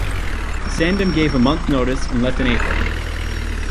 Sandom gave a month's notice, and left in April.